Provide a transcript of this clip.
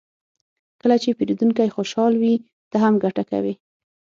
کله چې پیرودونکی خوشحال وي، ته هم ګټه کوې.